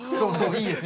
いいです